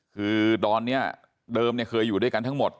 คือตอนนี้เดิมเคยอยู่ด้วยกันทั้งหมด